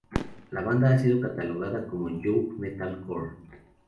La banda ha sido catalogada como "joke metalcore".